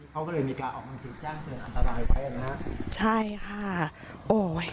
เขาก็เลยมีการออกมาสินจ้างเตือนอันตรายไป